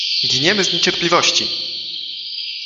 Giniemy z niecierpliwości!